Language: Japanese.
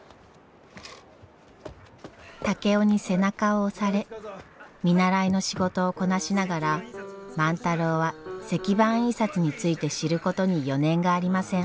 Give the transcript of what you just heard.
竹雄に背中を押され見習いの仕事をこなしながら万太郎は石版印刷について知ることに余念がありません。